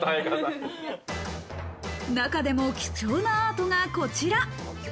中でも貴重なアートがこちら。